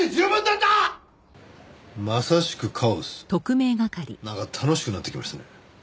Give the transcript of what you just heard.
なんか楽しくなってきましたね。